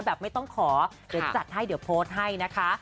แบบไม่ต้องขอเดี๋ยวจัดให้เดี๋ยวโพสต์ให้นะคะ